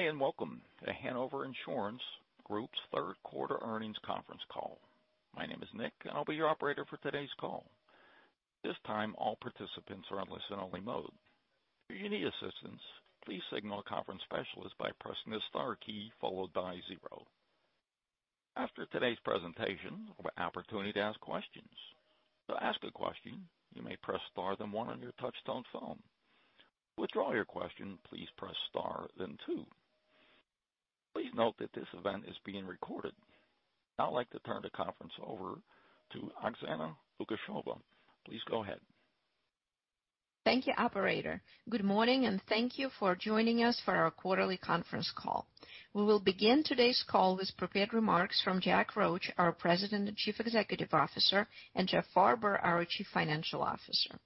Good day. Welcome to Hanover Insurance Group's third quarter earnings conference call. My name is Nick, and I'll be your operator for today's call. At this time, all participants are in listen only mode. If you need assistance, please signal a conference specialist by pressing the star key, followed by zero. After today's presentation, there will be opportunity to ask questions. To ask a question, you may press star, then one on your touch-tone phone. To withdraw your question, please press star, then two. Please note that this event is being recorded. I'd like to turn the conference over to Oksana Lukasheva. Please go ahead. Thank you, operator. Good morning. Thank you for joining us for our quarterly conference call. We will begin today's call with prepared remarks from Jack Roche, our President and Chief Executive Officer, and Jeff Farber, our Chief Financial Officer.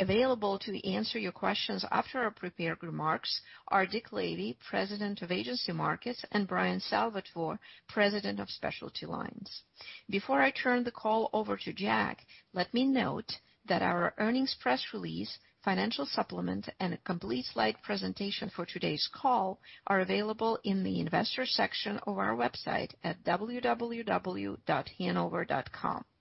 Available to answer your questions after our prepared remarks are Dick Lavey, President of Agency Markets, and Bryan Salvatore, President of Specialty Lines. Before I turn the call over to Jack, let me note that our earnings press release, financial supplement, and a complete slide presentation for today's call are available in the investor section of our website at www.hanover.com.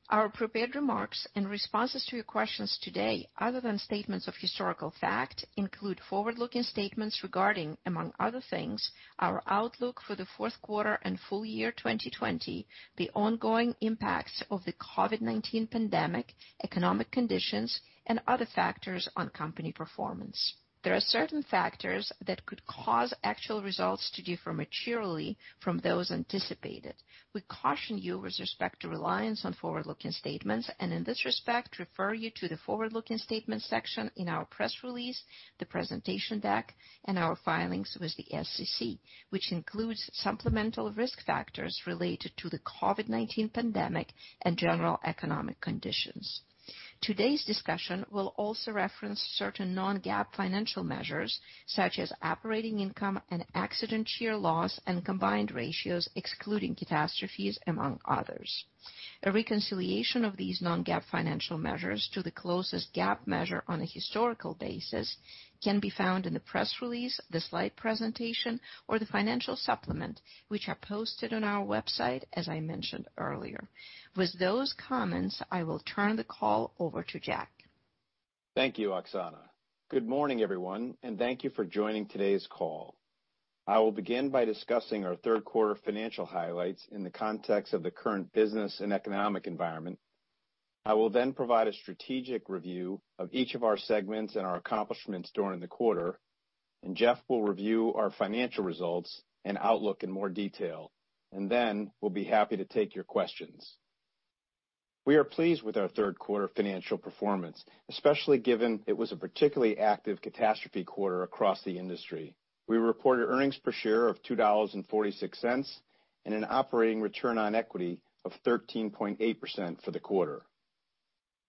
Our prepared remarks and responses to your questions today, other than statements of historical fact, include forward-looking statements regarding, among other things, our outlook for the fourth quarter and full year 2020, the ongoing impacts of the COVID-19 pandemic, economic conditions, and other factors on company performance. There are certain factors that could cause actual results to differ materially from those anticipated. We caution you with respect to reliance on forward-looking statements and in this respect refer you to the forward-looking statements section in our press release, the presentation deck, and our filings with the SEC, which includes supplemental risk factors related to the COVID-19 pandemic and general economic conditions. Today's discussion will also reference certain non-GAAP financial measures, such as operating income and accident year loss and combined ratios excluding catastrophes, among others. A reconciliation of these non-GAAP financial measures to the closest GAAP measure on a historical basis can be found in the press release, the slide presentation, or the financial supplement, which are posted on our website as I mentioned earlier. With those comments, I will turn the call over to Jack. Thank you, Oksana. Good morning, everyone. Thank you for joining today's call. I will begin by discussing our third quarter financial highlights in the context of the current business and economic environment. I will then provide a strategic review of each of our segments and our accomplishments during the quarter. Jeff will review our financial results and outlook in more detail. Then we'll be happy to take your questions. We are pleased with our third quarter financial performance, especially given it was a particularly active catastrophe quarter across the industry. We reported earnings per share of $2.46, and an operating return on equity of 13.8% for the quarter.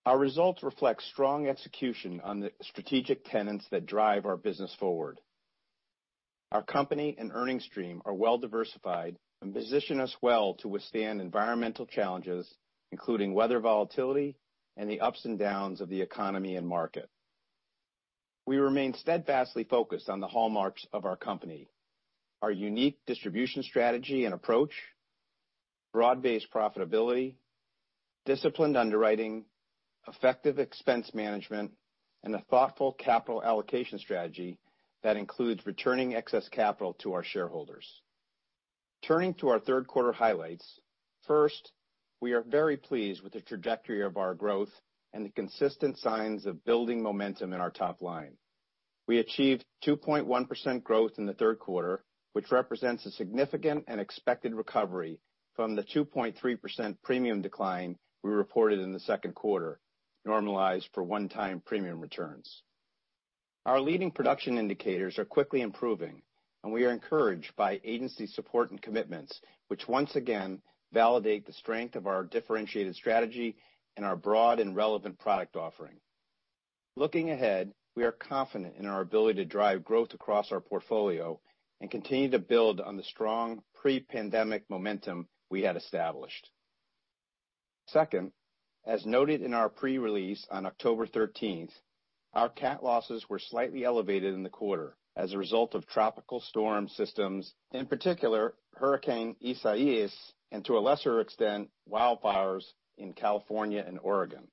Our results reflect strong execution on the strategic tenets that drive our business forward. Our company and earnings stream are well diversified and position us well to withstand environmental challenges, including weather volatility and the ups and downs of the economy and market. We remain steadfastly focused on the hallmarks of our company, our unique distribution strategy and approach, broad-based profitability, disciplined underwriting, effective expense management, and a thoughtful capital allocation strategy that includes returning excess capital to our shareholders. Turning to our third quarter highlights. First, we are very pleased with the trajectory of our growth and the consistent signs of building momentum in our top line. We achieved 2.1% growth in the third quarter, which represents a significant and expected recovery from the 2.3% premium decline we reported in the second quarter, normalized for one-time premium returns. Our leading production indicators are quickly improving. We are encouraged by agency support and commitments, which once again validate the strength of our differentiated strategy and our broad and relevant product offering. Looking ahead, we are confident in our ability to drive growth across our portfolio and continue to build on the strong pre-pandemic momentum we had established. Second, as noted in our pre-release on October 13th, our cat losses were slightly elevated in the quarter as a result of tropical storm systems, in particular Hurricane Isaias, and to a lesser extent, wildfires in California and Oregon.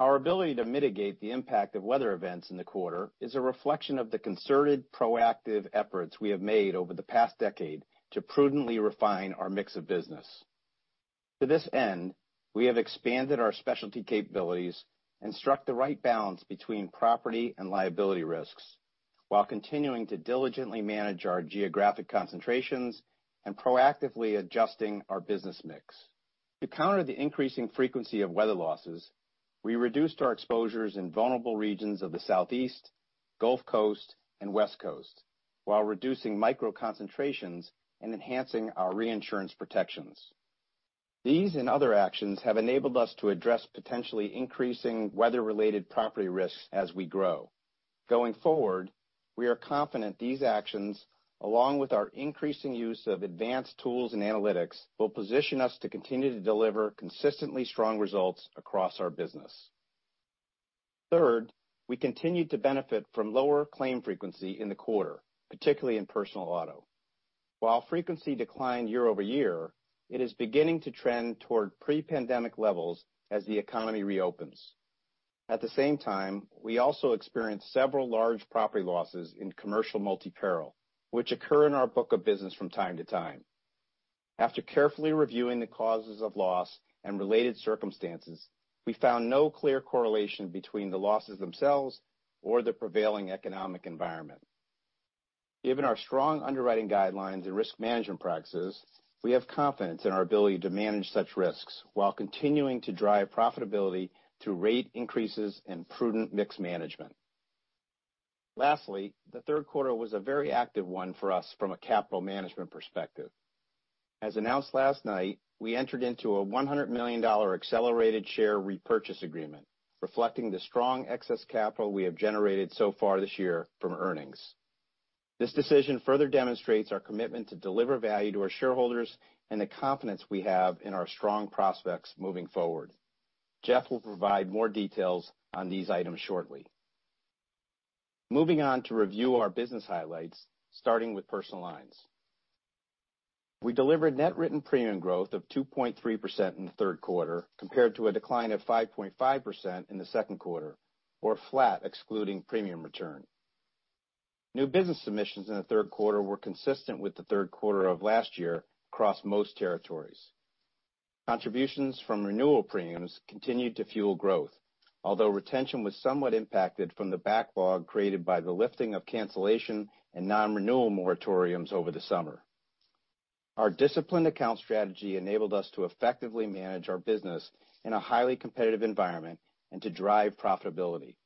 Our ability to mitigate the impact of weather events in the quarter is a reflection of the concerted, proactive efforts we have made over the past decade to prudently refine our mix of business. To this end, we have expanded our Specialty capabilities and struck the right balance between property and liability risks while continuing to diligently manage our geographic concentrations and proactively adjusting our business mix. To counter the increasing frequency of weather losses, we reduced our exposures in vulnerable regions of the Southeast, Gulf Coast, and West Coast while reducing micro concentrations and enhancing our reinsurance protections. These and other actions have enabled us to address potentially increasing weather-related property risks as we grow. Going forward, we are confident these actions, along with our increasing use of advanced tools and analytics, will position us to continue to deliver consistently strong results across our business. Third, we continued to benefit from lower claim frequency in the quarter, particularly in personal auto. While frequency declined year-over-year, it is beginning to trend toward pre-pandemic levels as the economy reopens. At the same time, we also experienced several large property losses in commercial multi-peril, which occur in our book of business from time to time. After carefully reviewing the causes of loss and related circumstances, we found no clear correlation between the losses themselves or the prevailing economic environment. Given our strong underwriting guidelines and risk management practices, we have confidence in our ability to manage such risks while continuing to drive profitability through rate increases and prudent mix management. Lastly, the third quarter was a very active one for us from a capital management perspective. As announced last night, we entered into a $100 million accelerated share repurchase agreement, reflecting the strong excess capital we have generated so far this year from earnings. This decision further demonstrates our commitment to deliver value to our shareholders and the confidence we have in our strong prospects moving forward. Jeff will provide more details on these items shortly. Moving on to review our business highlights, starting with personal lines. We delivered net written premium growth of 2.3% in the third quarter, compared to a decline of 5.5% in the second quarter, or flat excluding premium return. New business submissions in the third quarter were consistent with the third quarter of last year across most territories. Contributions from renewal premiums continued to fuel growth. Although retention was somewhat impacted from the backlog created by the lifting of cancellation and non-renewal moratoriums over the summer. Our disciplined account strategy enabled us to effectively manage our business in a highly competitive environment and to drive profitability.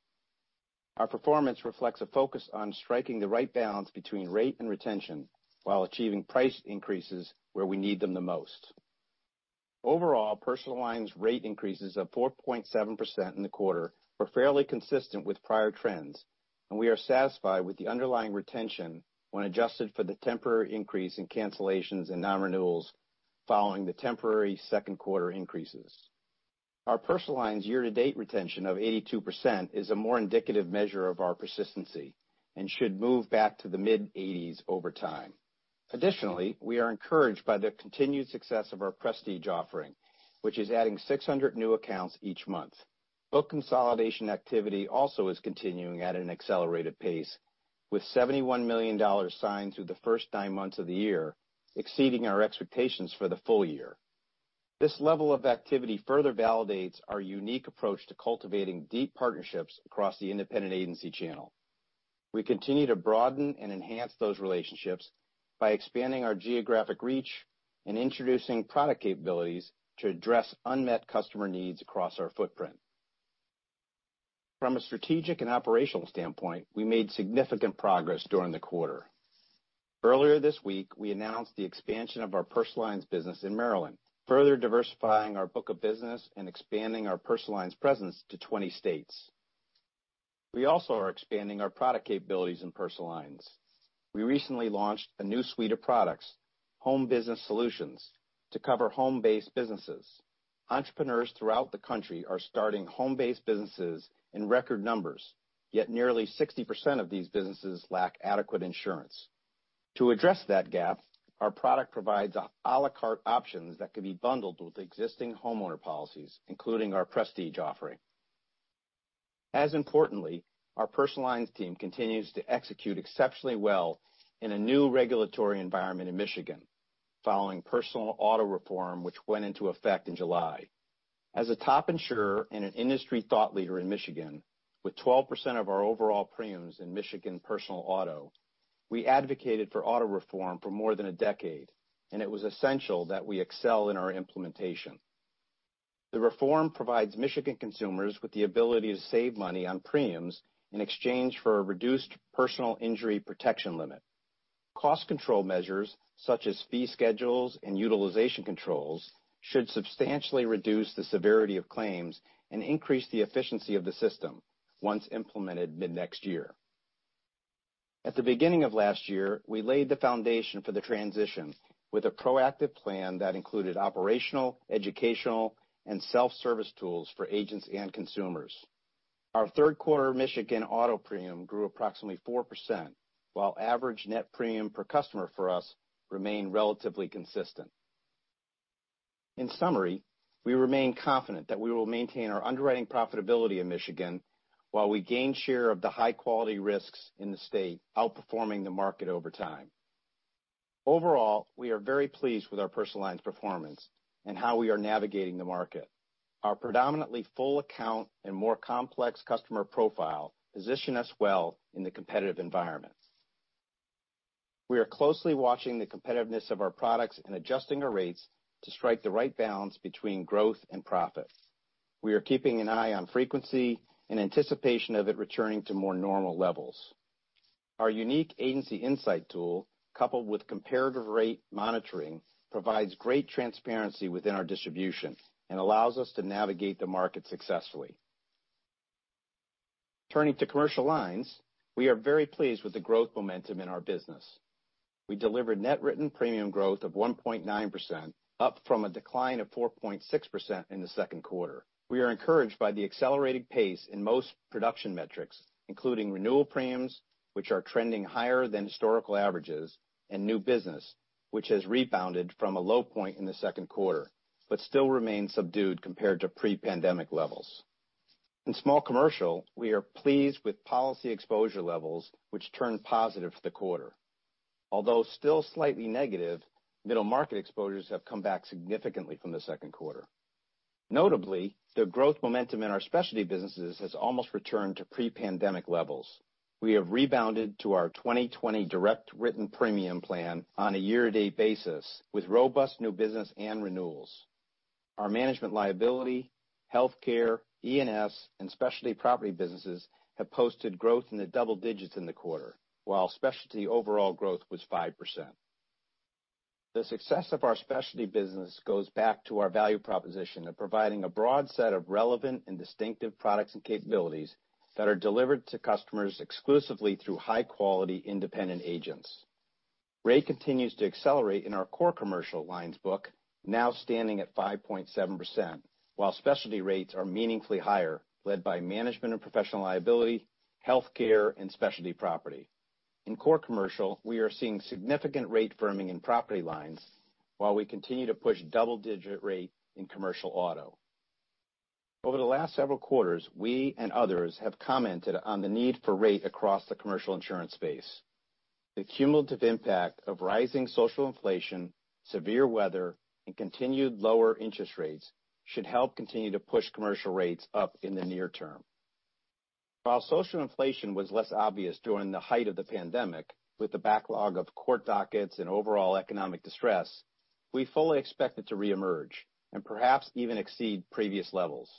Our performance reflects a focus on striking the right balance between rate and retention while achieving price increases where we need them the most. Overall, personal lines rate increases of 4.7% in the quarter were fairly consistent with prior trends, and we are satisfied with the underlying retention when adjusted for the temporary increase in cancellations and non-renewals following the temporary second quarter increases. Our personal lines year-to-date retention of 82% is a more indicative measure of our persistency and should move back to the mid-80s over time. Additionally, we are encouraged by the continued success of our prestige offering, which is adding 600 new accounts each month. Book consolidation activity also is continuing at an accelerated pace, with $71 million signed through the first nine months of the year, exceeding our expectations for the full year. This level of activity further validates our unique approach to cultivating deep partnerships across the independent agency channel. We continue to broaden and enhance those relationships by expanding our geographic reach and introducing product capabilities to address unmet customer needs across our footprint. From a strategic and operational standpoint, we made significant progress during the quarter. Earlier this week, we announced the expansion of our personal lines business in Maryland, further diversifying our book of business and expanding our personal lines presence to 20 states. We also are expanding our product capabilities in personal lines. We recently launched a new suite of products, Home Business Solutions, to cover home-based businesses. Entrepreneurs throughout the country are starting home-based businesses in record numbers, yet nearly 60% of these businesses lack adequate insurance. To address that gap, our product provides a la carte options that can be bundled with existing homeowner policies, including our prestige offering. As importantly, our personal lines team continues to execute exceptionally well in a new regulatory environment in Michigan, following personal auto reform, which went into effect in July. As a top insurer and an industry thought leader in Michigan, with 12% of our overall premiums in Michigan personal auto, it was essential that we excel in our implementation. The reform provides Michigan consumers with the ability to save money on premiums in exchange for a reduced personal injury protection limit. Cost control measures, such as fee schedules and utilization controls, should substantially reduce the severity of claims and increase the efficiency of the system once implemented mid-next year. At the beginning of last year, we laid the foundation for the transition with a proactive plan that included operational, educational, and self-service tools for agents and consumers. Our third quarter Michigan auto premium grew approximately 4%, while average net premium per customer for us remained relatively consistent. In summary, we remain confident that we will maintain our underwriting profitability in Michigan while we gain share of the high-quality risks in the state, outperforming the market over time. Overall, we are very pleased with our personal lines performance and how we are navigating the market. Our predominantly full account and more complex customer profile position us well in the competitive environment. We are closely watching the competitiveness of our products and adjusting our rates to strike the right balance between growth and profit. We are keeping an eye on frequency in anticipation of it returning to more normal levels. Our unique Agency Insight tool, coupled with comparative rate monitoring, provides great transparency within our distribution and allows us to navigate the market successfully. Turning to commercial lines, we are very pleased with the growth momentum in our business. We delivered net written premium growth of 1.9%, up from a decline of 4.6% in the second quarter. We are encouraged by the accelerated pace in most production metrics, including renewal premiums, which are trending higher than historical averages, and new business, which has rebounded from a low point in the second quarter, but still remains subdued compared to pre-pandemic levels. In Small Commercial, we are pleased with policy exposure levels, which turned positive for the quarter. Although still slightly negative, Middle Market exposures have come back significantly from the second quarter. Notably, the growth momentum in our Specialty businesses has almost returned to pre-pandemic levels. We have rebounded to our 2020 direct written premium plan on a year-to-date basis, with robust new business and renewals. Our Management Liability, Healthcare, E&S, and Specialty Property businesses have posted growth in the double digits in the quarter, while Specialty overall growth was 5%. The success of our Specialty business goes back to our value proposition of providing a broad set of relevant and distinctive products and capabilities that are delivered to customers exclusively through high-quality independent agents. Rate continues to accelerate in our core commercial lines book, now standing at 5.7%, while Specialty rates are meaningfully higher, led by Management and Professional Liability, Healthcare, and Specialty Property. In core commercial, we are seeing significant rate firming in property lines, while we continue to push double-digit rate in Commercial auto. Over the last several quarters, we and others have commented on the need for rate across the commercial insurance space. The cumulative impact of rising social inflation, severe weather, and continued lower interest rates should help continue to push commercial rates up in the near term. While social inflation was less obvious during the height of the pandemic, with the backlog of court dockets and overall economic distress, we fully expect it to reemerge, and perhaps even exceed previous levels.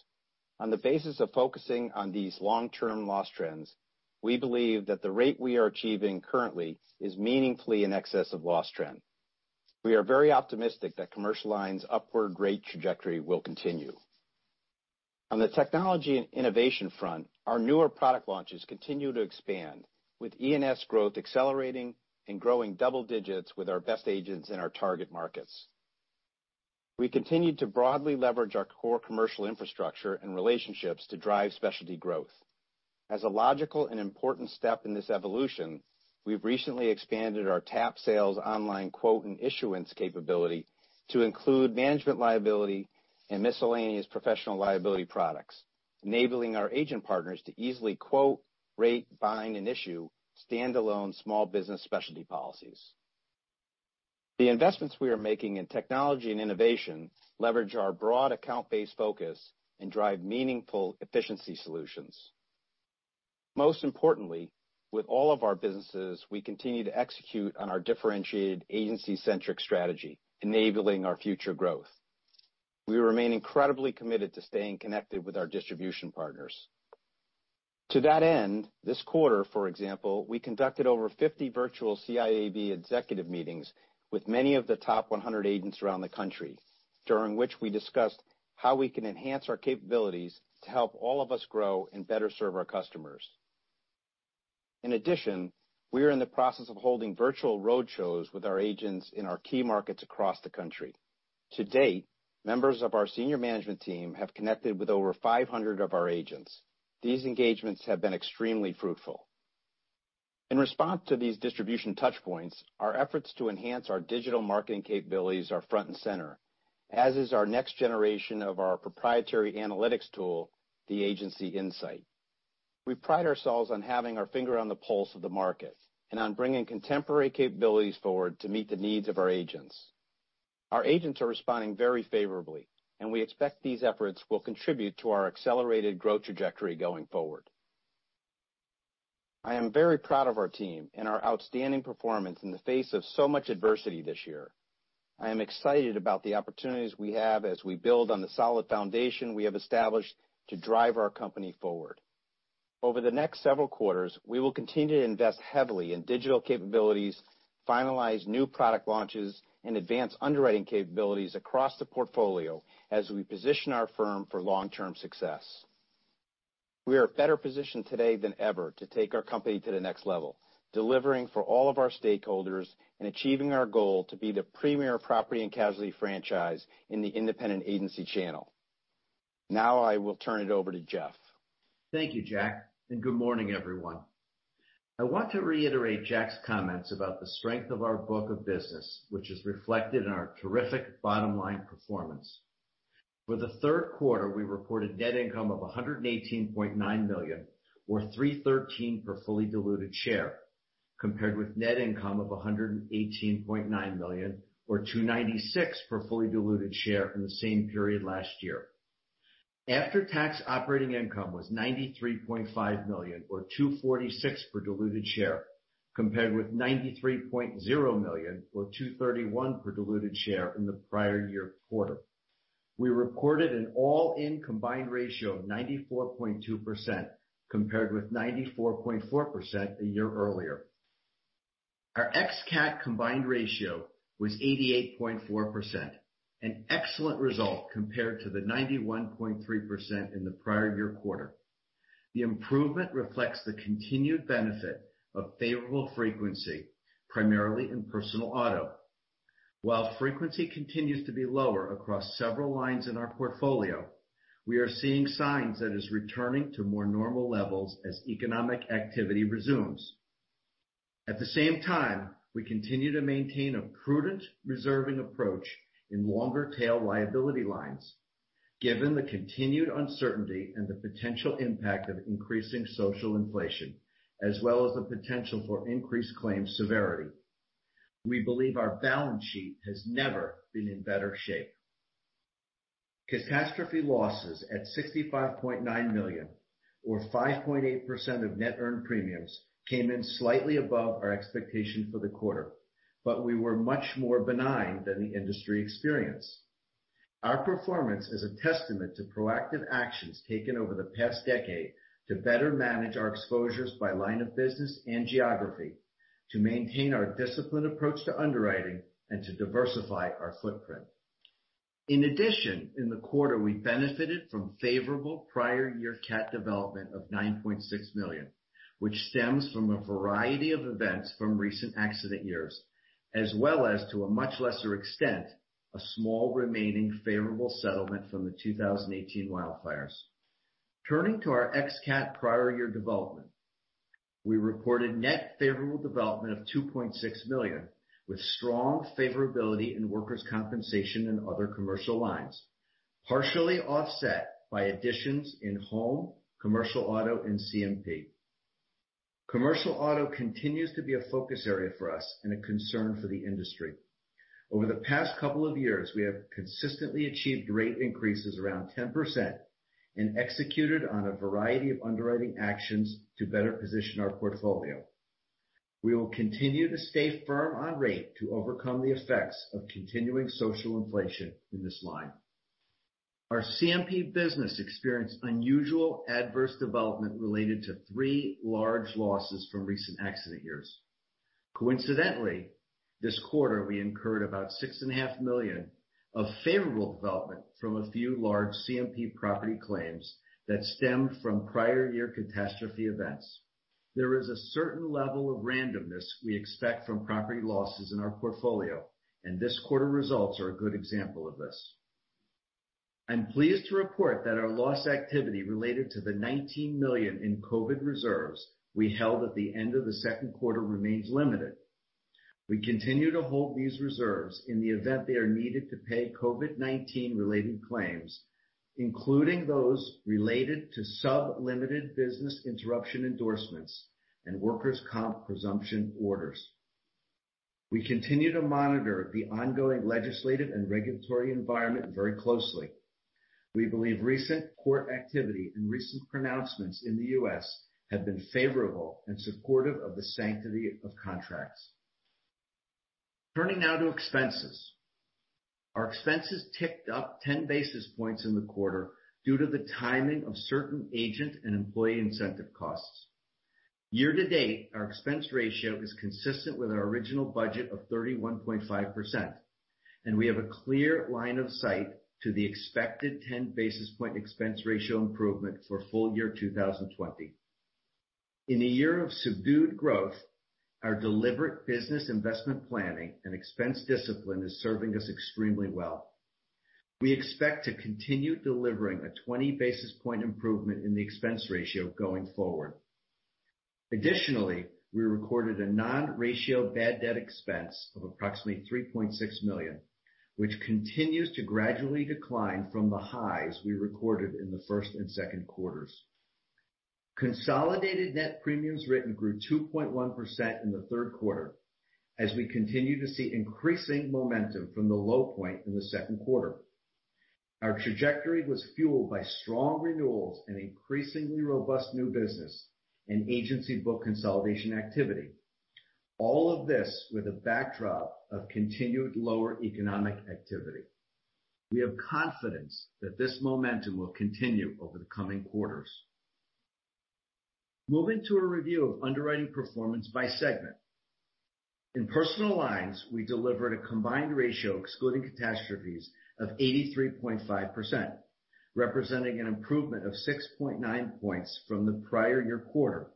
On the basis of focusing on these long-term loss trends, we believe that the rate we are achieving currently is meaningfully in excess of loss trend. We are very optimistic that commercial lines' upward rate trajectory will continue. On the technology and innovation front, our newer product launches continue to expand, with E&S growth accelerating and growing double digits with our best agents in our target markets. We continue to broadly leverage our core commercial infrastructure and relationships to drive Specialty growth. As a logical and important step in this evolution, we've recently expanded our TAP Sales online quote and issuance capability to include management liability and miscellaneous professional liability products, enabling our agent partners to easily quote, rate, bind, and issue standalone small business Specialty policies. The investments we are making in technology and innovation leverage our broad account-based focus and drive meaningful efficiency solutions. Most importantly, with all of our businesses, we continue to execute on our differentiated agency-centric strategy, enabling our future growth. We remain incredibly committed to staying connected with our distribution partners. To that end, this quarter, for example, we conducted over 50 virtual CIAB executive meetings with many of the top 100 agents around the country, during which we discussed how we can enhance our capabilities to help all of us grow and better serve our customers. We are in the process of holding virtual road shows with our agents in our key markets across the country. To date, members of our senior management team have connected with over 500 of our agents. These engagements have been extremely fruitful. In response to these distribution touchpoints, our efforts to enhance our digital marketing capabilities are front and center, as is our next generation of our proprietary analytics tool, the Agency Insight. We pride ourselves on having our finger on the pulse of the market, and on bringing contemporary capabilities forward to meet the needs of our agents. Our agents are responding very favorably, and we expect these efforts will contribute to our accelerated growth trajectory going forward. I am very proud of our team and our outstanding performance in the face of so much adversity this year. I am excited about the opportunities we have as we build on the solid foundation we have established to drive our company forward. Over the next several quarters, we will continue to invest heavily in digital capabilities, finalize new product launches, and advance underwriting capabilities across the portfolio as we position our firm for long-term success. We are better positioned today than ever to take our company to the next level, delivering for all of our stakeholders and achieving our goal to be the premier property and casualty franchise in the independent agency channel. I will turn it over to Jeff. Thank you, Jack, and good morning, everyone. I want to reiterate Jack's comments about the strength of our book of business, which is reflected in our terrific bottom-line performance. For the third quarter, we reported net income of $118.9 million, or $3.13 per fully diluted share, compared with net income of $118.9 million, or $2.96 per fully diluted share in the same period last year. After-tax operating income was $93.5 million, or $2.46 per diluted share, compared with $93.0 million, or $2.31 per diluted share in the prior year quarter. We reported an all-in combined ratio of 94.2%, compared with 94.4% a year earlier. Our ex-cat combined ratio was 88.4%, an excellent result compared to the 91.3% in the prior year quarter. The improvement reflects the continued benefit of favorable frequency, primarily in personal auto. While frequency continues to be lower across several lines in our portfolio, we are seeing signs that it is returning to more normal levels as economic activity resumes. At the same time, we continue to maintain a prudent reserving approach in longer tail liability lines, given the continued uncertainty and the potential impact of increasing social inflation, as well as the potential for increased claims severity. We believe our balance sheet has never been in better shape. Catastrophe losses at $65.9 million, or 5.8% of net earned premiums, came in slightly above our expectation for the quarter, but we were much more benign than the industry experience. Our performance is a testament to proactive actions taken over the past decade to better manage our exposures by line of business and geography, to maintain our disciplined approach to underwriting, and to diversify our footprint. In addition, in the quarter, we benefited from favorable prior year cat development of $9.6 million, which stems from a variety of events from recent accident years, as well as, to a much lesser extent, a small remaining favorable settlement from the 2018 wildfires. Turning to our ex-cat prior year development. We reported net favorable development of $2.6 million, with strong favorability in workers' compensation and other commercial lines, partially offset by additions in home, commercial auto, and CMP. Commercial auto continues to be a focus area for us and a concern for the industry. Over the past couple of years, we have consistently achieved rate increases around 10% and executed on a variety of underwriting actions to better position our portfolio. We will continue to stay firm on rate to overcome the effects of continuing social inflation in this line. Our CMP business experienced unusual adverse development related to three large losses from recent accident years. Coincidentally, this quarter, we incurred about six and a half million of favorable development from a few large CMP property claims that stemmed from prior year catastrophe events. There is a certain level of randomness we expect from property losses in our portfolio, and this quarter results are a good example of this. I am pleased to report that our loss activity related to the $19 million in COVID reserves we held at the end of the second quarter remains limited. We continue to hold these reserves in the event they are needed to pay COVID-19 related claims, including those related to sub-limited business interruption endorsements and workers' comp presumption orders. We continue to monitor the ongoing legislative and regulatory environment very closely. We believe recent court activity and recent pronouncements in the U.S. have been favorable and supportive of the sanctity of contracts. Turning now to expenses. Our expenses ticked up 10 basis points in the quarter due to the timing of certain agent and employee incentive costs. Year to date, our expense ratio is consistent with our original budget of 31.5%, and we have a clear line of sight to the expected 10 basis point expense ratio improvement for full year 2020. In a year of subdued growth, our deliberate business investment planning and expense discipline is serving us extremely well. We expect to continue delivering a 20 basis point improvement in the expense ratio going forward. Additionally, we recorded a non-ratio bad debt expense of approximately $3.6 million, which continues to gradually decline from the highs we recorded in the first and second quarters. Consolidated net premiums written grew 2.1% in the third quarter as we continue to see increasing momentum from the low point in the second quarter. Our trajectory was fueled by strong renewals and increasingly robust new business and agency book consolidation activity. All of this with a backdrop of continued lower economic activity. We have confidence that this momentum will continue over the coming quarters. Moving to a review of underwriting performance by segment. In personal lines, we delivered a combined ratio excluding catastrophes of 83.5%, representing an improvement of 6.9 points from the prior year quarter.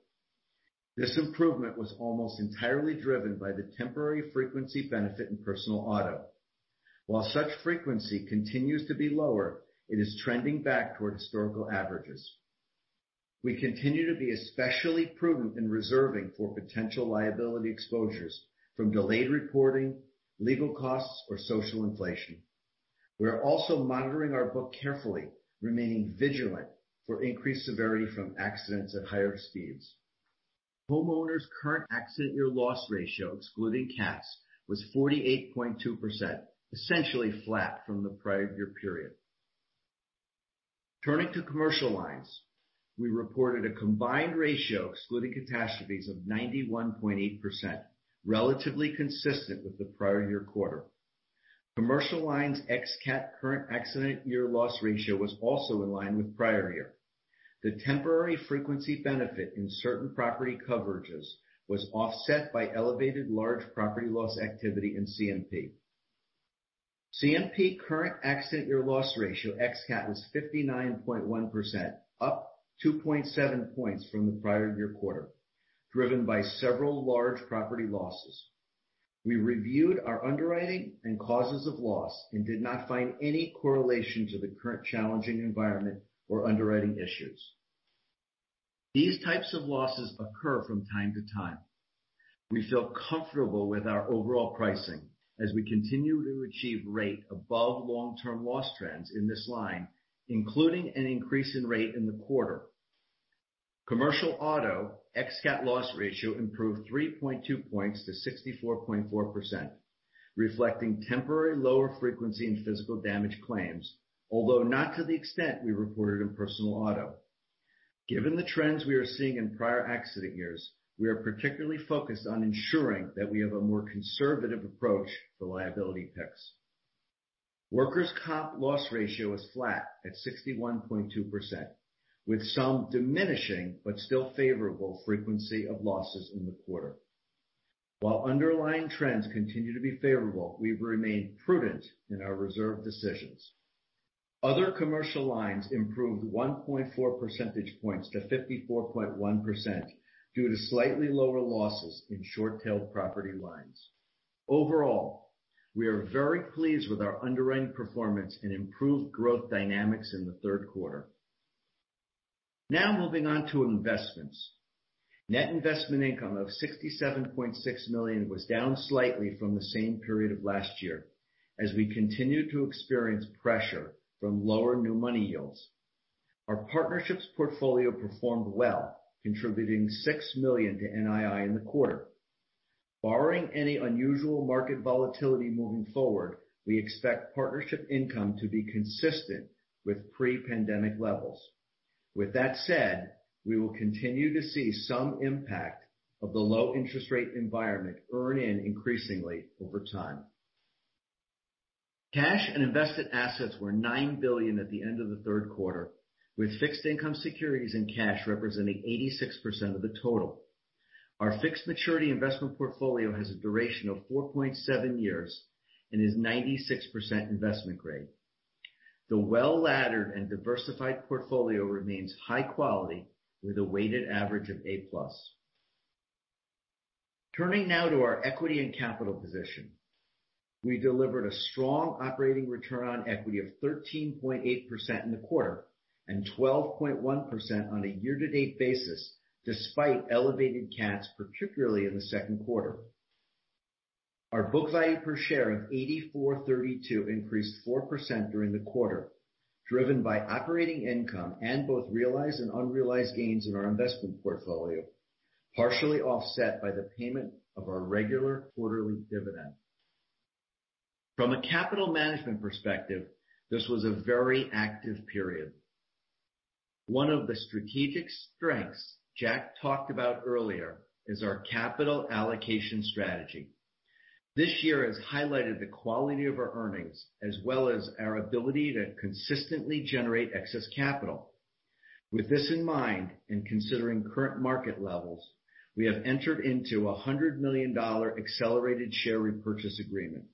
This improvement was almost entirely driven by the temporary frequency benefit in personal auto. While such frequency continues to be lower, it is trending back toward historical averages. We continue to be especially prudent in reserving for potential liability exposures from delayed reporting, legal costs, or social inflation. We are also monitoring our book carefully, remaining vigilant for increased severity from accidents at higher speeds. Homeowners' current accident year loss ratio excluding cats was 48.2%, essentially flat from the prior year period. Turning to commercial lines, we reported a combined ratio excluding catastrophes of 91.8%, relatively consistent with the prior year quarter. Commercial lines ex-CAT current accident year loss ratio was also in line with prior year. The temporary frequency benefit in certain property coverages was offset by elevated large property loss activity in CMP. CMP current accident year loss ratio, ex-CAT, was 59.1%, up 2.7 points from the prior year quarter, driven by several large property losses. We reviewed our underwriting and causes of loss and did not find any correlation to the current challenging environment or underwriting issues. These types of losses occur from time to time. We feel comfortable with our overall pricing as we continue to achieve rate above long-term loss trends in this line, including an increase in rate in the quarter. Commercial auto ex-CAT loss ratio improved 3.2 points to 64.4%, reflecting temporary lower frequency in physical damage claims, although not to the extent we reported in personal auto. Given the trends we are seeing in prior accident years, we are particularly focused on ensuring that we have a more conservative approach to liability picks. Workers' comp loss ratio is flat at 61.2%, with some diminishing but still favorable frequency of losses in the quarter. While underlying trends continue to be favorable, we've remained prudent in our reserve decisions. Other commercial lines improved 1.4 percentage points to 54.1% due to slightly lower losses in short-tail property lines. Overall, we are very pleased with our underwriting performance and improved growth dynamics in the third quarter. Moving on to investments. Net investment income of $67.6 million was down slightly from the same period of last year as we continued to experience pressure from lower new money yields. Our partnerships portfolio performed well, contributing $6 million to NII in the quarter. Barring any unusual market volatility moving forward, we expect partnership income to be consistent with pre-pandemic levels. With that said, we will continue to see some impact of the low interest rate environment earn in increasingly over time. Cash and invested assets were $9 billion at the end of the third quarter, with fixed income securities and cash representing 86% of the total. Our fixed maturity investment portfolio has a duration of 4.7 years and is 96% investment grade. The well-laddered and diversified portfolio remains high quality with a weighted average of A+. Turning now to our equity and capital position. We delivered a strong operating return on equity of 13.8% in the quarter and 12.1% on a year-to-date basis, despite elevated cats, particularly in the second quarter. Our book value per share of $84.32 increased 4% during the quarter, driven by operating income and both realized and unrealized gains in our investment portfolio, partially offset by the payment of our regular quarterly dividend. From a capital management perspective, this was a very active period. One of the strategic strengths Jack talked about earlier is our capital allocation strategy. With this in mind, considering current market levels, we have entered into a $100 million accelerated share repurchase agreement.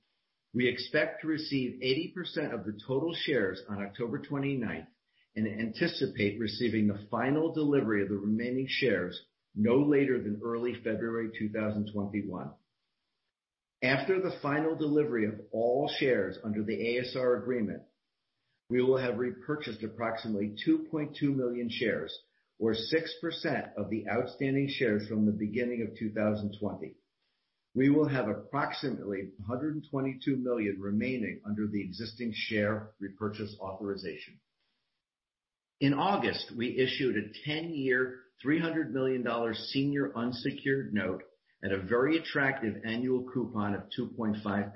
We expect to receive 80% of the total shares on October 29th and anticipate receiving the final delivery of the remaining shares no later than early February 2021. After the final delivery of all shares under the ASR agreement, we will have repurchased approximately 2.2 million shares or 6% of the outstanding shares from the beginning of 2020. We will have approximately $122 million remaining under the existing share repurchase authorization. In August, we issued a 10-year, $300 million senior unsecured note at a very attractive annual coupon of 2.5%.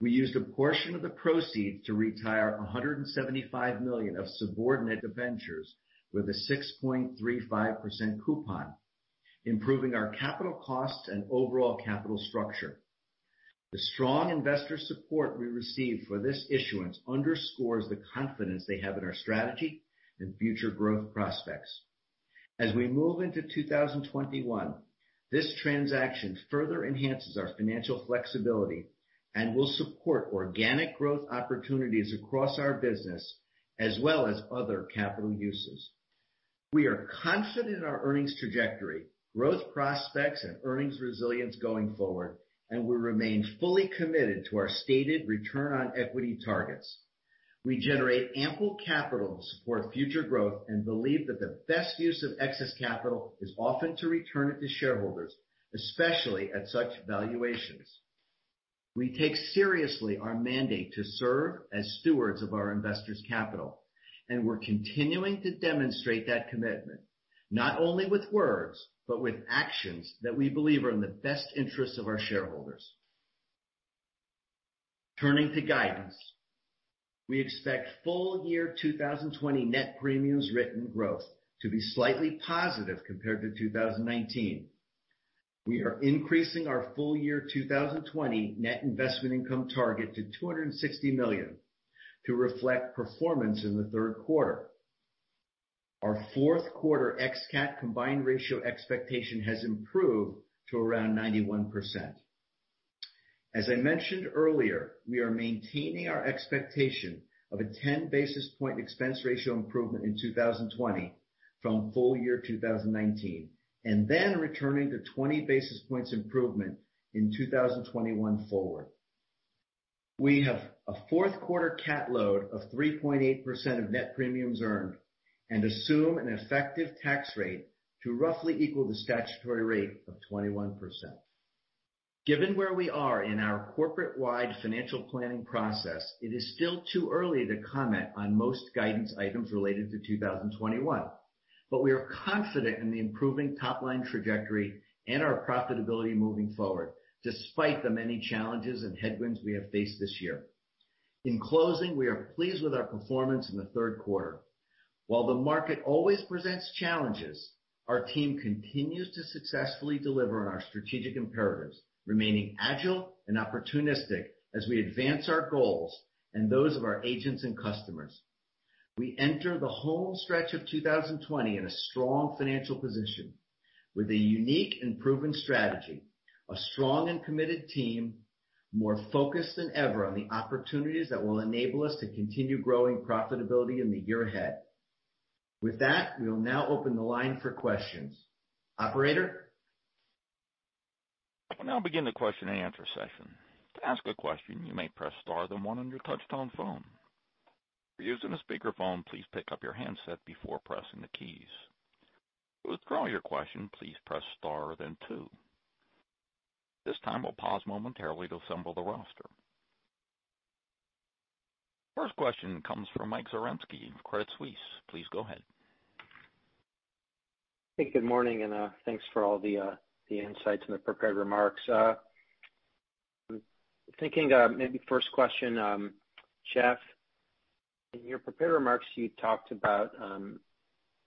We used a portion of the proceeds to retire $175 million of subordinate debentures with a 6.35% coupon, improving our capital costs and overall capital structure. The strong investor support we received for this issuance underscores the confidence they have in our strategy and future growth prospects. As we move into 2021, this transaction further enhances our financial flexibility and will support organic growth opportunities across our business as well as other capital uses. We are confident in our earnings trajectory, growth prospects, and earnings resilience going forward, we remain fully committed to our stated return on equity targets. We generate ample capital to support future growth and believe that the best use of excess capital is often to return it to shareholders, especially at such valuations. We take seriously our mandate to serve as stewards of our investors' capital, we're continuing to demonstrate that commitment, not only with words, but with actions that we believe are in the best interests of our shareholders. Turning to guidance. We expect full year 2020 net premiums written growth to be slightly positive compared to 2019. We are increasing our full year 2020 net investment income target to $260 million to reflect performance in the third quarter. Our fourth quarter ex-CAT combined ratio expectation has improved to around 91%. As I mentioned earlier, we are maintaining our expectation of a 10 basis point expense ratio improvement in 2020 from full year 2019, returning to 20 basis points improvement in 2021 forward. We have a fourth quarter CAT load of 3.8% of net premiums earned and assume an effective tax rate to roughly equal the statutory rate of 21%. Given where we are in our corporate-wide financial planning process, it is still too early to comment on most guidance items related to 2021. We are confident in the improving top-line trajectory and our profitability moving forward, despite the many challenges and headwinds we have faced this year. In closing, we are pleased with our performance in the third quarter. While the market always presents challenges, our team continues to successfully deliver on our strategic imperatives, remaining agile and opportunistic as we advance our goals and those of our agents and customers. We enter the home stretch of 2020 in a strong financial position with a unique and proven strategy, a strong and committed team, more focused than ever on the opportunities that will enable us to continue growing profitability in the year ahead. With that, we will now open the line for questions. Operator? I will now begin the question and answer session. To ask a question, you may press star then one on your touch-tone phone. If you're using a speakerphone, please pick up your handset before pressing the keys. To withdraw your question, please press star then two. At this time, we'll pause momentarily to assemble the roster. First question comes from Michael Zaremski of Credit Suisse. Please go ahead. Good morning. Thanks for all the insights and the prepared remarks. Thinking maybe first question, Jeff, in your prepared remarks, you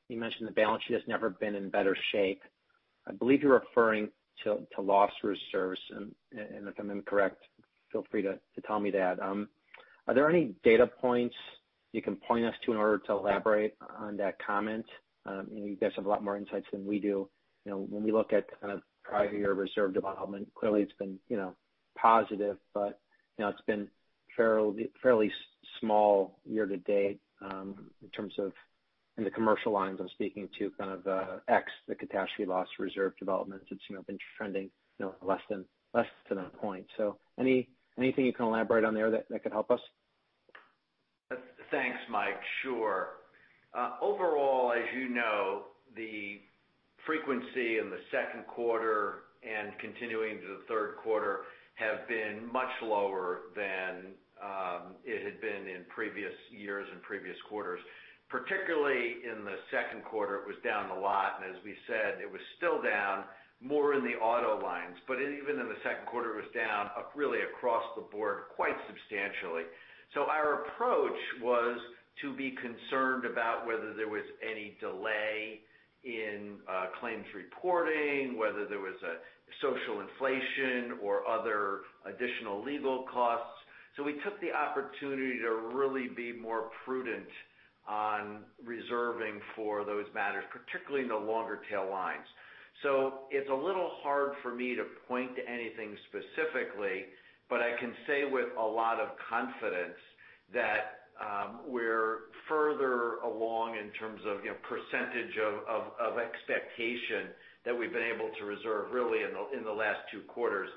mentioned the balance sheet has never been in better shape. I believe you're referring to loss reserves, and if I'm incorrect, feel free to tell me that. Are there any data points you can point us to in order to elaborate on that comment? You guys have a lot more insights than we do. When we look at kind of prior year reserve development, clearly it's been positive, but it's been fairly small year to date in terms of in the commercial lines, I'm speaking to kind of ex the catastrophe loss reserve development that's been trending less to no point. Anything you can elaborate on there that could help us? Thanks, Mike. Sure. Overall, as you know, the frequency in the second quarter and continuing to the third quarter have been much lower than it had been in previous years and previous quarters. Particularly in the second quarter, it was down a lot, and as we said, it was still down more in the auto lines. Even in the second quarter, it was down really across the board quite substantially. Our approach was to be concerned about whether there was any delay in claims reporting, whether there was a social inflation or other additional legal costs. We took the opportunity to really be more prudent on reserving for those matters, particularly in the longer tail lines. It's a little hard for me to point to anything specifically, but I can say with a lot of confidence that we're further along in terms of percentage of expectation that we've been able to reserve really in the last two quarters.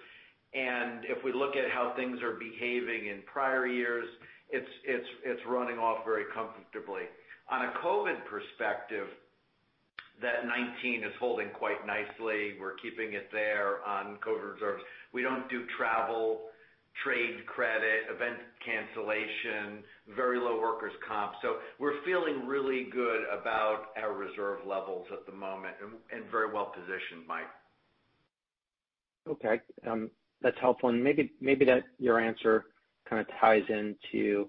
If we look at how things are behaving in prior years, it's running off very comfortably. On a COVID-19 perspective, that 19 is holding quite nicely. We're keeping it there on COVID-19 reserves. We don't do travel, trade credit, event cancellation, very low workers' comp. We're feeling really good about our reserve levels at the moment and very well-positioned, Mike. Okay. That's helpful, maybe your answer kind of ties into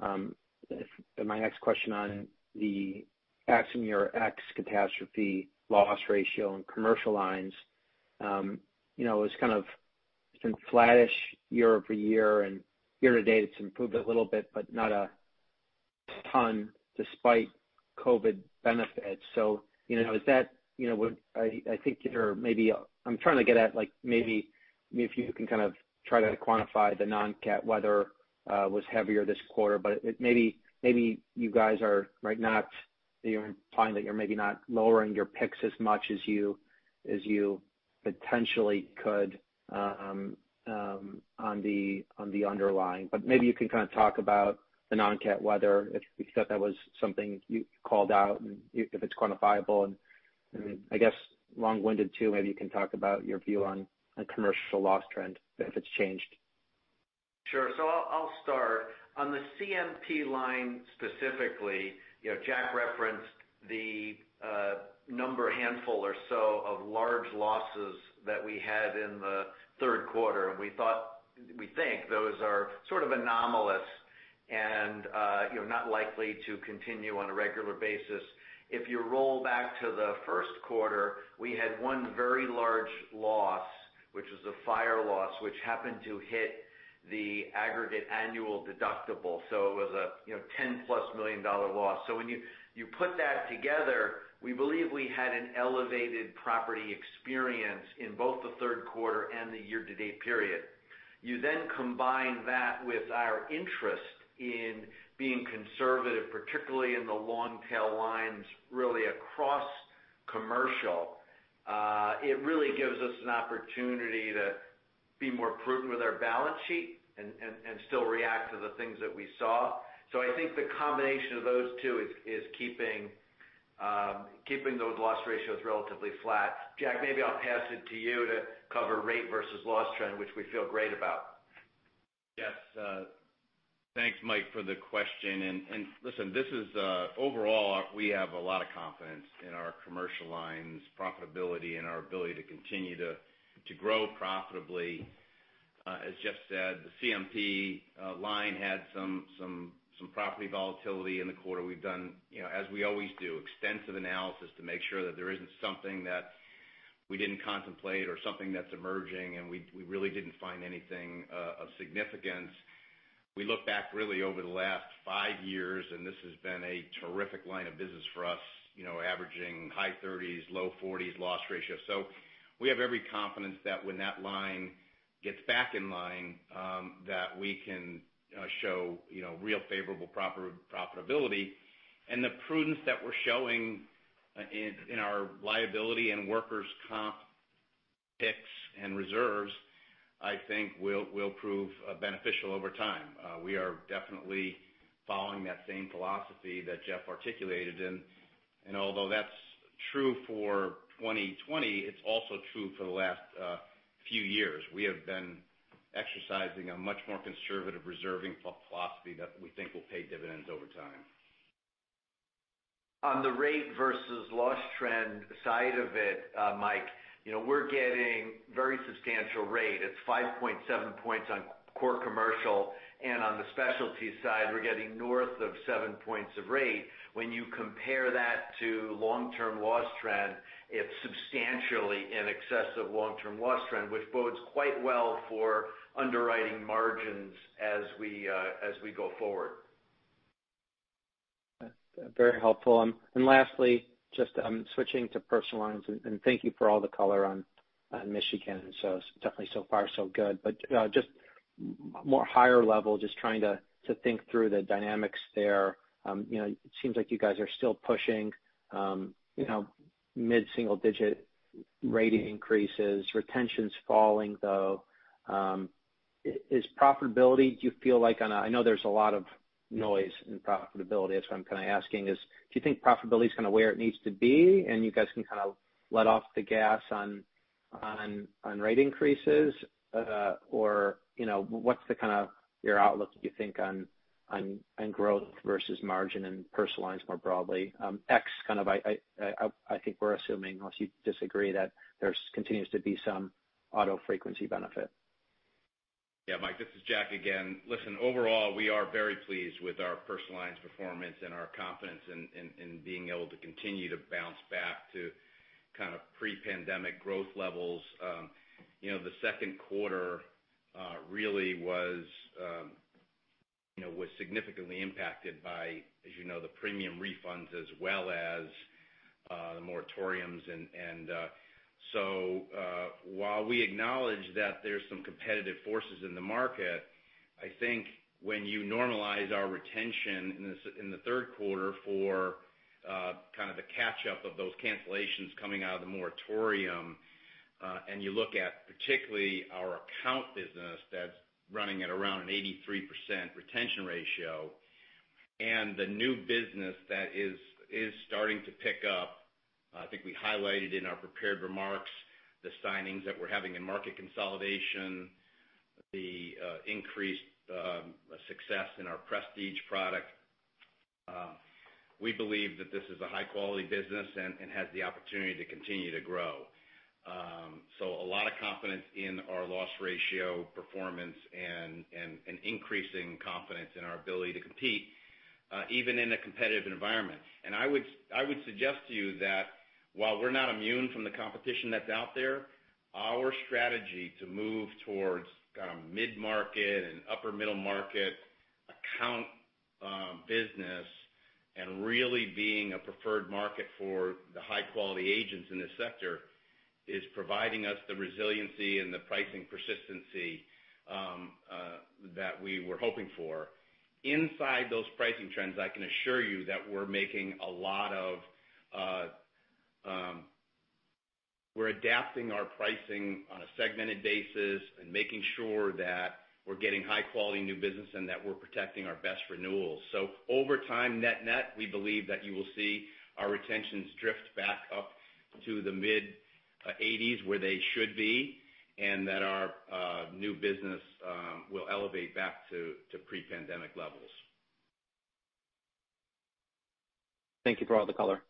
my next question on the ex in your ex-catastrophe loss ratio and commercial lines. It's been flattish year-over-year, year-to-date it's improved a little bit, but not a ton despite COVID-19 benefits. I'm trying to get at maybe if you can kind of try to quantify the non-CAT weather was heavier this quarter, but maybe you guys are implying that you're maybe not lowering your picks as much as you potentially could on the underlying. Maybe you can kind of talk about the non-CAT weather, if that was something you called out and if it's quantifiable. I guess long-winded too, maybe you can talk about your view on commercial loss trend, if it's changed. Sure. I'll start. On the CMP line specifically, Jack referenced the number, handful or so, of large losses that we had in the third quarter, we think those are sort of anomalous Not likely to continue on a regular basis. If you roll back to the first quarter, we had one very large loss, which was a fire loss, which happened to hit the aggregate annual deductible. It was a $10 million+ loss. When you put that together, we believe we had an elevated property experience in both the third quarter and the year-to-date period. You combine that with our interest in being conservative, particularly in the long-tail lines, really across commercial. It really gives us an opportunity to be more prudent with our balance sheet and still react to the things that we saw. I think the combination of those two is keeping those loss ratios relatively flat. Jack, maybe I'll pass it to you to cover rate versus loss trend, which we feel great about. Yes. Thanks, Mike, for the question. Listen, overall, we have a lot of confidence in our commercial lines profitability and our ability to continue to grow profitably. As Jeff said, the CMP line had some property volatility in the quarter. We've done, as we always do, extensive analysis to make sure that there isn't something that we didn't contemplate or something that's emerging, and we really didn't find anything of significance. We look back really over the last five years, and this has been a terrific line of business for us, averaging high 30s, low 40s loss ratio. We have every confidence that when that line gets back in line, that we can show real favorable profitability. And the prudence that we're showing in our liability and workers' comp picks and reserves, I think will prove beneficial over time. We are definitely following that same philosophy that Jeff articulated. Although that's true for 2020, it's also true for the last few years. We have been exercising a much more conservative reserving philosophy that we think will pay dividends over time. On the rate versus loss trend side of it, Mike, we're getting very substantial rate. It's 5.7 points on core commercial, and on the Specialty side, we're getting north of seven points of rate. When you compare that to long-term loss trend, it's substantially in excess of long-term loss trend, which bodes quite well for underwriting margins as we go forward. Very helpful. Lastly, just switching to personal lines, and thank you for all the color on Michigan. It's definitely so far so good. Just more higher level, just trying to think through the dynamics there. It seems like you guys are still pushing mid-single-digit rate increases. Retention's falling, though. Is profitability, do you feel like on a-- I know there's a lot of noise in profitability. That's why I'm asking is, do you think profitability is where it needs to be, and you guys can let off the gas on rate increases? Or what's your outlook, do you think, on growth versus margin in personal lines more broadly? I think we're assuming, unless you disagree, that there continues to be some auto frequency benefit. Mike, this is Jack again. Listen, overall, we are very pleased with our personal lines performance and our confidence in being able to continue to bounce back to pre-pandemic growth levels. The second quarter really was significantly impacted by, as you know, the premium refunds as well as the moratoriums. While we acknowledge that there's some competitive forces in the market, I think when you normalize our retention in the third quarter for the catch-up of those cancellations coming out of the moratorium, and you look at particularly our account business that's running at around an 83% retention ratio, and the new business that is starting to pick up. I think we highlighted in our prepared remarks the signings that we're having in market consolidation, the increased success in our prestige product. We believe that this is a high-quality business and has the opportunity to continue to grow. A lot of confidence in our loss ratio performance, and an increasing confidence in our ability to compete even in a competitive environment. I would suggest to you that while we're not immune from the competition that's out there, our strategy to move towards mid-market and upper middle market account business, and really being a preferred market for the high-quality agents in this sector, is providing us the resiliency and the pricing persistency that we were hoping for. Inside those pricing trends, I can assure you that we're adapting our pricing on a segmented basis and making sure that we're getting high-quality new business and that we're protecting our best renewals. Over time, net-net, we believe that you will see our retentions drift back up to the mid-80s, where they should be, and that our new business will elevate back to pre-pandemic levels. Thank you for all the color.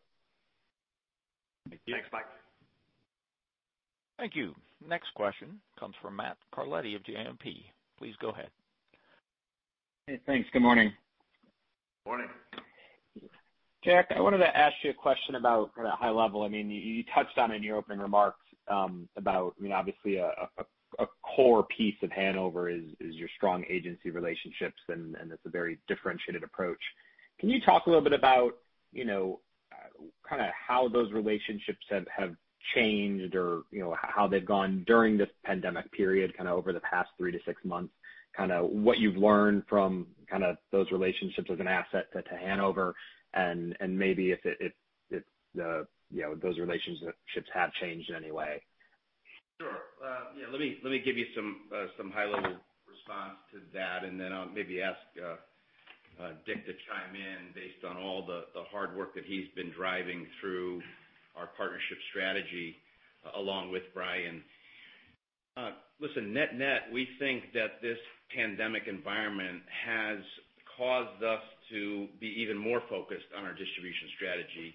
Thank you. Thanks, Mike. Thank you. Next question comes from Matt Carletti of JMP. Please go ahead. Hey, thanks. Good morning. Morning. Jack, I wanted to ask you a question about high-level. You touched on it in your opening remarks about, obviously, a core piece of Hanover is your strong agency relationships, and it's a very differentiated approach. Can you talk a little bit about how those relationships have changed or how they've gone during this pandemic period, over the past three to six months? What you've learned from those relationships as an asset to Hanover and, maybe if those relationships have changed in any way. Sure. Let me give you some high-level response to that, then I'll maybe ask Dick to chime in based on all the hard work that he's been driving through our partnership strategy along with Brian. Listen, net-net, we think that this pandemic environment has caused us to be even more focused on our distribution strategy.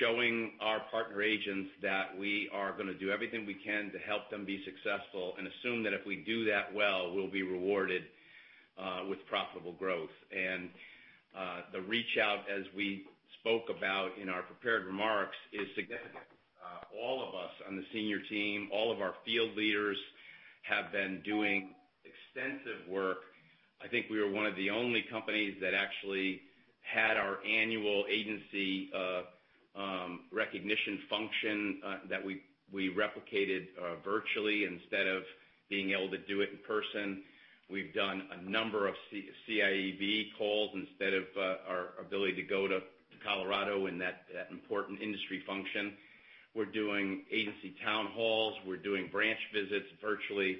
Showing our partner agents that we are going to do everything we can to help them be successful, and assume that if we do that well, we'll be rewarded with profitable growth. The reach out, as we spoke about in our prepared remarks, is significant. All of us on the senior team, all of our field leaders have been doing extensive work. I think we were one of the only companies that actually had our annual agency recognition function that we replicated virtually instead of being able to do it in person. We've done a number of CIAB calls instead of our ability to go to Colorado and that important industry function. We're doing agency town halls. We're doing branch visits virtually.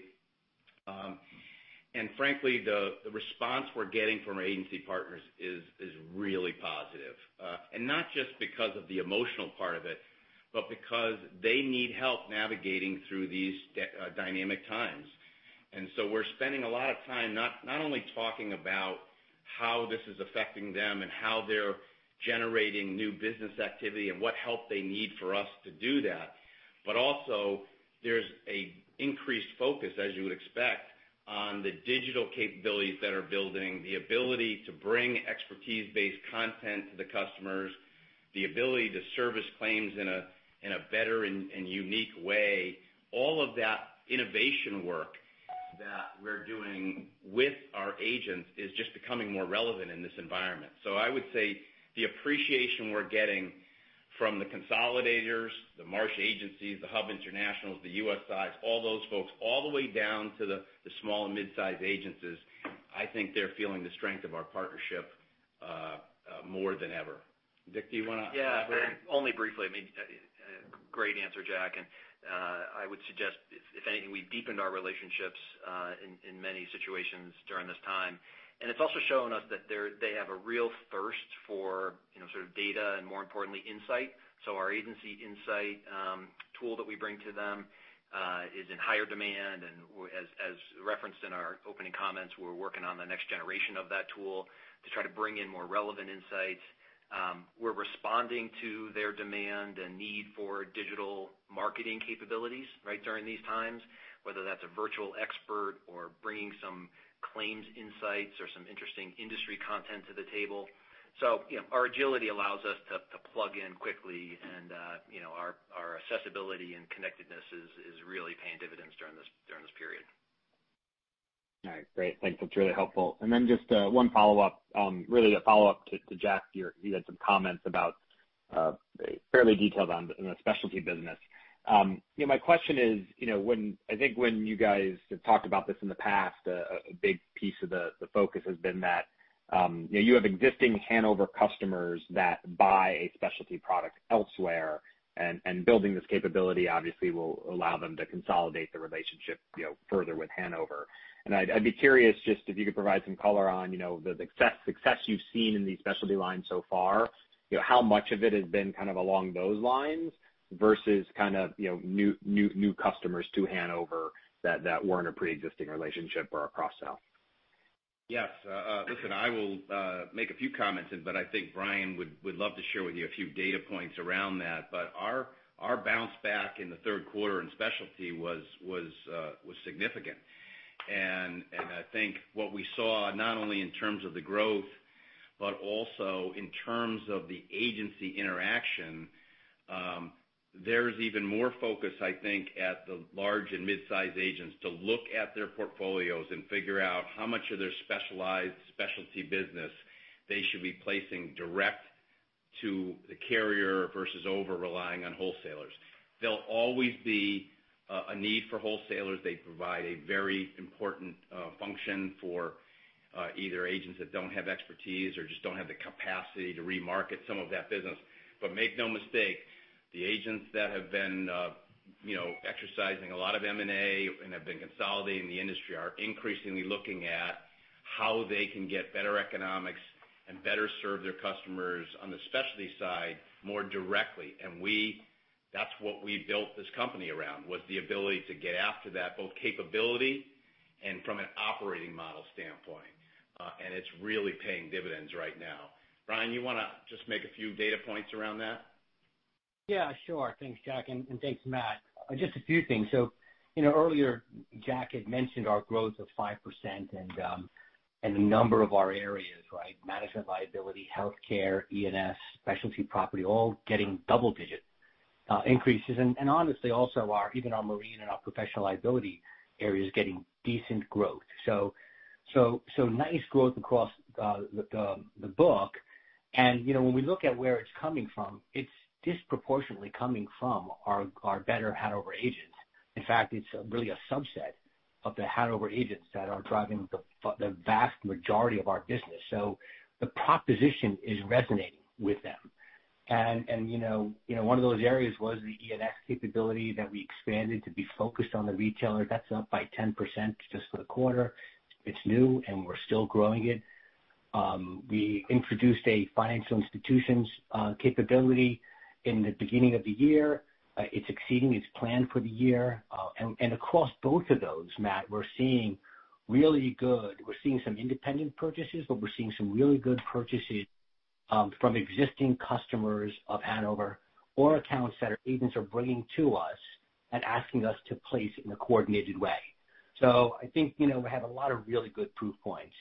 Frankly, the response we're getting from our agency partners is really positive. Not just because of the emotional part of it, but because they need help navigating through these dynamic times. We're spending a lot of time not only talking about how this is affecting them and how they're generating new business activity and what help they need for us to do that, but also there's an increased focus, as you would expect, on the digital capabilities that are building the ability to bring expertise-based content to the customers, the ability to service claims in a better and unique way. All of that innovation work that we're doing with our agents is just becoming more relevant in this environment. I would say the appreciation we're getting from the consolidators, the Marsh agencies, the HUB Internationals, the USI, all those folks, all the way down to the small and mid-size agencies, I think they're feeling the strength of our partnership more than ever. Dick, do you want to- Yeah. Only briefly. Great answer, Jack. I would suggest, if anything, we've deepened our relationships in many situations during this time. It's also shown us that they have a real thirst for data and more importantly, insight. Our Agency Insight tool that we bring to them is in higher demand. As referenced in our opening comments, we're working on the next generation of that tool to try to bring in more relevant insights. We're responding to their demand and need for digital marketing capabilities during these times, whether that's a virtual expert or bringing some claims insights or some interesting industry content to the table. Our agility allows us to plug in quickly, and our accessibility and connectedness is really paying dividends during this period. All right, great. Thanks. That's really helpful. Just one follow-up. Really a follow-up to Jack. You had some comments about fairly detailed on the Specialty business. My question is, I think when you guys have talked about this in the past, a big piece of the focus has been that you have existing Hanover customers that buy a Specialty product elsewhere, and building this capability obviously will allow them to consolidate the relationship further with Hanover. I'd be curious just if you could provide some color on the success you've seen in the Specialty line so far, how much of it has been along those lines versus new customers to Hanover that were in a preexisting relationship or a cross-sell? Yes. Listen, I will make a few comments in. I think Bryan would love to share with you a few data points around that. Our bounce back in the third quarter in Specialty was significant. I think what we saw not only in terms of the growth, but also in terms of the agency interaction, there's even more focus, I think, at the large and mid-size agents to look at their portfolios and figure out how much of their Specialty business they should be placing direct to the carrier versus over-relying on wholesalers. There'll always be a need for wholesalers. They provide a very important function for either agents that don't have expertise or just don't have the capacity to re-market some of that business. Make no mistake, the agents that have been exercising a lot of M&A and have been consolidating the industry are increasingly looking at how they can get better economics and better serve their customers on the Specialty side more directly. That's what we built this company around, was the ability to get after that, both capability From an operating model standpoint, it's really paying dividends right now. Bryan, you want to just make a few data points around that? Yeah, sure. Thanks, Jack, and thanks, Matt. Just a few things. Earlier, Jack had mentioned our growth of 5% and the number of our areas, right? Management liability, Healthcare, E&S, Specialty Property, all getting double-digit increases. Honestly, also even our marine and our professional liability areas getting decent growth. Nice growth across the book. When we look at where it's coming from, it's disproportionately coming from our better Hanover agents. In fact, it's really a subset of the Hanover agents that are driving the vast majority of our business. The proposition is resonating with them. One of those areas was the E&S capability that we expanded to be focused on the retailer. That's up by 10% just for the quarter. It's new, and we're still growing it. We introduced a financial institutions capability in the beginning of the year. It's exceeding its plan for the year. Across both of those, Matt, we're seeing some independent purchases, but we're seeing some really good purchases from existing customers of Hanover or accounts that our agents are bringing to us and asking us to place in a coordinated way. I think, we have a lot of really good proof points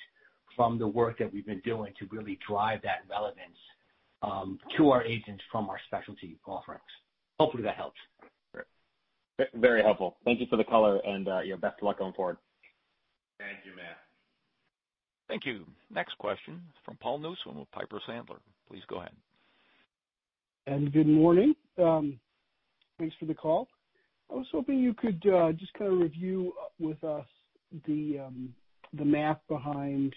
from the work that we've been doing to really drive that relevance to our agents from our Specialty offerings. Hopefully that helps. Great. Very helpful. Thank you for the color and, best of luck going forward. Thank you, Matt. Thank you. Next question from Paul Newsome of Piper Sandler. Please go ahead. Good morning. Thanks for the call. I was hoping you could just kind of review with us the math behind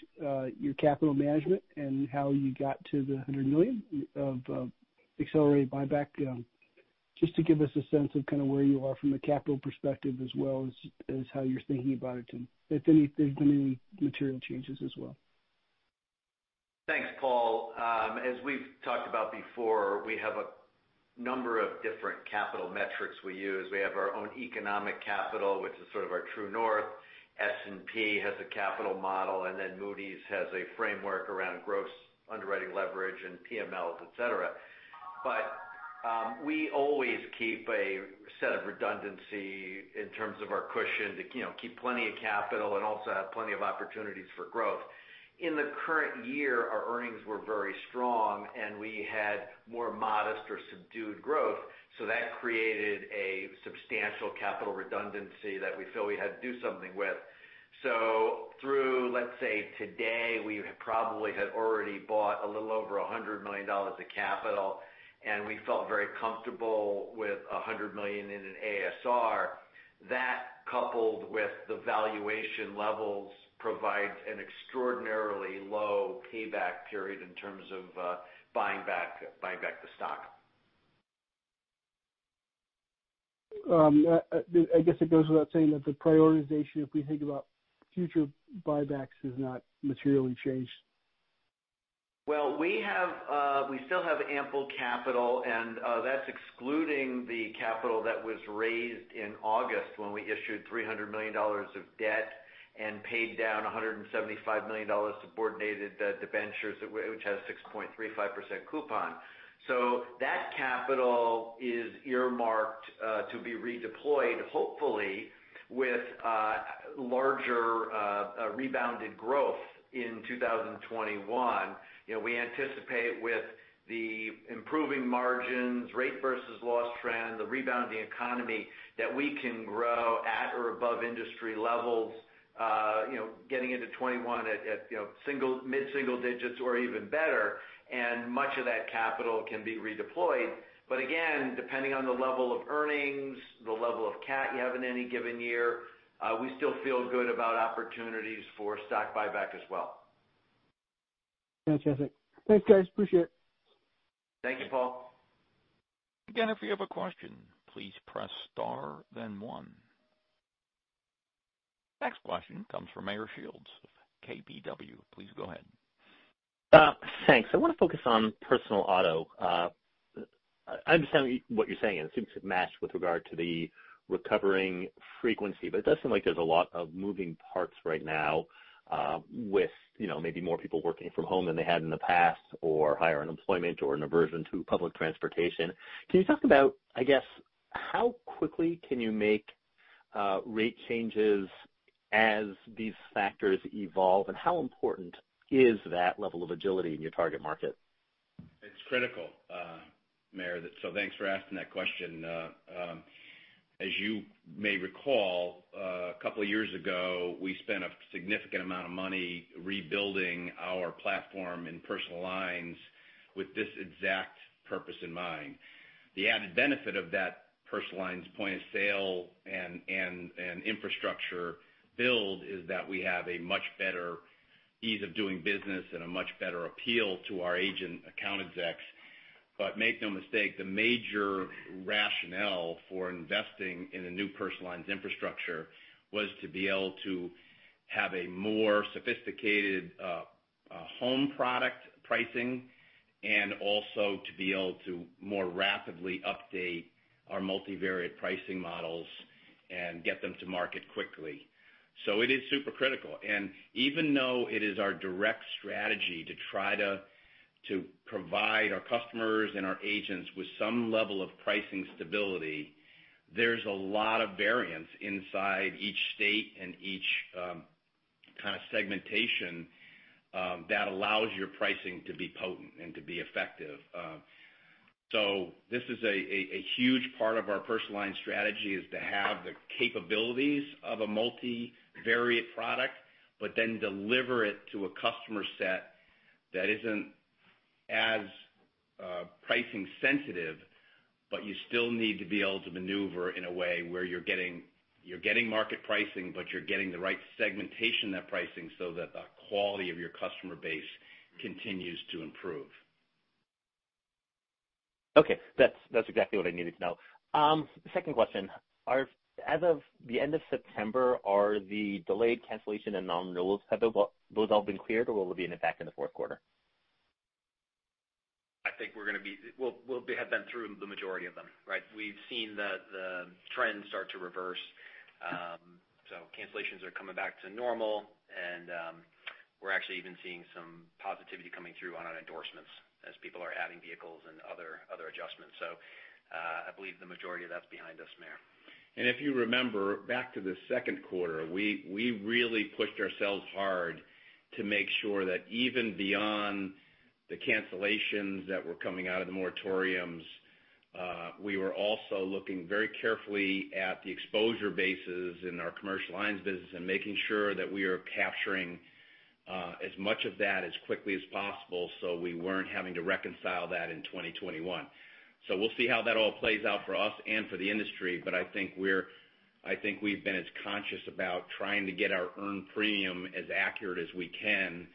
your capital management and how you got to the $100 million of accelerated buyback. Just to give us a sense of kind of where you are from a capital perspective as well as how you're thinking about it and if there's been any material changes as well. Thanks, Paul. As we've talked about before, we have a number of different capital metrics we use. We have our own economic capital, which is sort of our true north. S&P has a capital model, and then Moody's has a framework around gross underwriting leverage and PMLs, et cetera. We always keep a set of redundancy in terms of our cushion to keep plenty of capital and also have plenty of opportunities for growth. In the current year, our earnings were very strong, and we had more modest or subdued growth. That created a substantial capital redundancy that we feel we had to do something with. Through, let's say, today, we probably had already bought a little over $100 million of capital, and we felt very comfortable with $100 million in an ASR. That, coupled with the valuation levels, provides an extraordinarily low payback period in terms of buying back the stock. I guess it goes without saying that the prioritization, if we think about future buybacks, is not materially changed. We still have ample capital, and that's excluding the capital that was raised in August when we issued $300 million of debt and paid down $175 million subordinated debentures, which has 6.35% coupon. That capital is earmarked to be redeployed, hopefully with larger rebounded growth in 2021. We anticipate with the improving margins, rate versus loss trend, the rebound in the economy, that we can grow at or above industry levels, getting into 2021 at mid-single digits or even better. Much of that capital can be redeployed. Again, depending on the level of earnings, the level of cat you have in any given year, we still feel good about opportunities for stock buyback as well. Fantastic. Thanks, guys. Appreciate it. Thank you, Paul. If you have a question, please press star then one. Next question comes from Meyer Shields of KBW. Please go ahead. Thanks. I want to focus on personal auto. I understand what you're saying, and it seems to match with regard to the recovering frequency, but it does seem like there's a lot of moving parts right now, with maybe more people working from home than they had in the past or higher unemployment or an aversion to public transportation. Can you talk about, I guess, how quickly can you make rate changes as these factors evolve, and how important is that level of agility in your target market? It's critical, Meyer. Thanks for asking that question. As you may recall, a couple of years ago, we spent a significant amount of money rebuilding our platform in personal lines with this exact purpose in mind. The added benefit of that personal lines point of sale and infrastructure build is that we have a much better ease of doing business and a much better appeal to our agent account execs. Make no mistake, the major rationale for investing in a new personal lines infrastructure was to be able to have a more sophisticated. Home product pricing, also to be able to more rapidly update our multivariate pricing models and get them to market quickly. It is super critical. Even though it is our direct strategy to try to provide our customers and our agents with some level of pricing stability, there's a lot of variance inside each state and each kind of segmentation that allows your pricing to be potent and to be effective. This is a huge part of our personal lines strategy, is to have the capabilities of a multivariate product, deliver it to a customer set that isn't as pricing sensitive. You still need to be able to maneuver in a way where you're getting market pricing, you're getting the right segmentation, that pricing, so that the quality of your customer base continues to improve. Okay. That's exactly what I needed to know. Second question. As of the end of September, are the delayed cancellation and non-renewals, have those all been cleared, or will it be an effect in the fourth quarter? I think we'll have been through the majority of them, right? We've seen the trends start to reverse. Cancellations are coming back to normal, we're actually even seeing some positivity coming through on our endorsements as people are adding vehicles and other adjustments. I believe the majority of that's behind us, Meir. If you remember back to the second quarter, we really pushed ourselves hard to make sure that even beyond the cancellations that were coming out of the moratoriums, we were also looking very carefully at the exposure bases in our commercial lines business and making sure that we are capturing as much of that as quickly as possible, so we weren't having to reconcile that in 2021. We'll see how that all plays out for us and for the industry. I think we've been as conscious about trying to get our earned premium as accurate as we can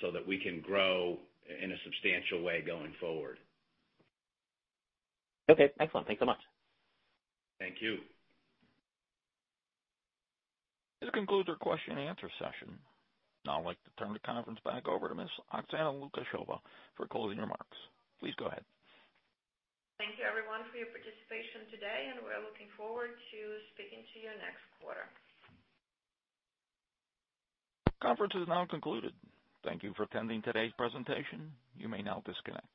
so that we can grow in a substantial way going forward. Okay, excellent. Thanks so much. Thank you. This concludes our question and answer session. Now I'd like to turn the conference back over to Ms. Oksana Lukasheva for closing remarks. Please go ahead. Thank you everyone for your participation today. We're looking forward to speaking to you next quarter. Conference is now concluded. Thank you for attending today's presentation. You may now disconnect.